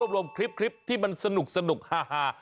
รวมคลิปที่มันสนุกฮา